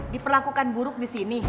diperlakukan buruk disini